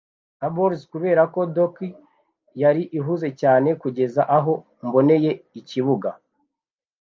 na bales, kuberako dock yari ihuze cyane, kugeza aho mboneye ikibuga.